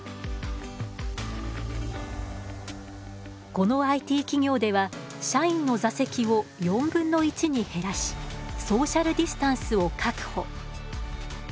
このＩＴ企業では社員の座席を４分の１に減らしソーシャルディスタンスを確保。